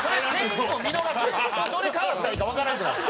どれ買わしたらいいかわからんくなる。